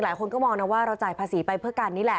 หลายคนก็มองนะว่าเราจ่ายภาษีไปเพื่อกันนี่แหละ